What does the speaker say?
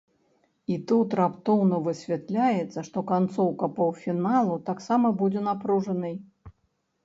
І тут раптоўна высвятляецца, што канцоўка паўфіналу таксама будзе напружанай.